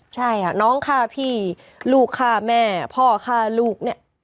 ใช่ค่ะน้องฆ่าพี่ลูกฆ่าแม่พ่อฆ่าลูกเนี่ย